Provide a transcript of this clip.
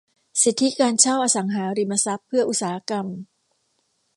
สิทธิการเช่าอสังหาริมทรัพย์เพื่ออุตสาหกรรม